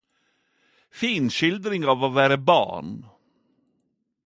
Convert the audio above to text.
Fin skildring av å vere barn.